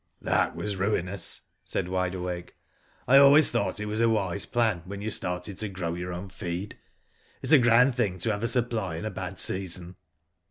" That was ruinous," said Wide Awake. " I always thought it was a wise plan when you started to grow your own feed. It is a grand thing to have a supply in a bad season."